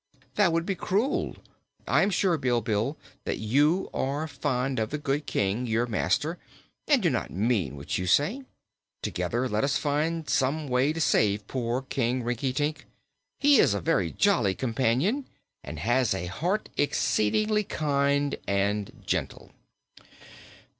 "That would be cruel. I am sure, Bilbil, that you are fond of the good King, your master, and do not mean what you say. Together, let us find some way to save poor King Rinkitink. He is a very jolly companion, and has a heart exceedingly kind and gentle."